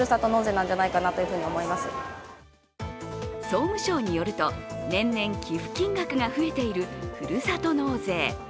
総務省によると、年々寄付金額が増えている、ふるさと納税。